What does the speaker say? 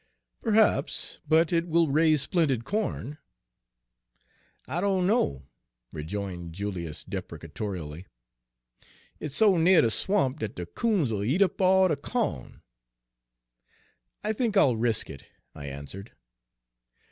"Perhaps so; but it will raise splendid corn." "I dunno," rejoined Julius deprecatorily. "It's so nigh de swamp dat de 'coons'll eat up all de cawn." "I think I'll risk it," I answered.